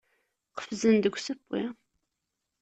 Qefzen deg usewwi.